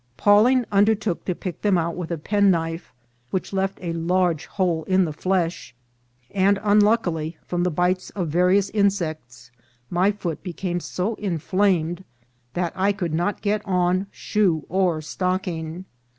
Pawling undertook to pick them out with a penknife, which left a large hole in the flesh; and, un luckily, from the bites of various insects my foot be came so inflamed that I could not get on shoe or stock EFFECT OF INSECT STINGS. 323 ing.